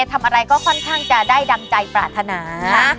ทำอะไรก็ค่อนข้างจะได้ดังใจปรารถนา